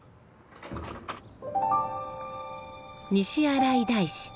西新井大師。